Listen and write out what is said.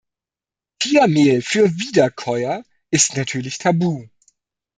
Tiermehl für Wiederkäuer ist natürlich Tabu.